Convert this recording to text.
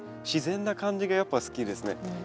自然な感じがやっぱ好きですね。